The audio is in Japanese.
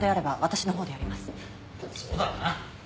そうだな。